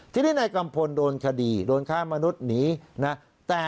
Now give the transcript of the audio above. ทีนี้นายกัมพลโดนคดีโดนค้ามนุษย์หนีนะ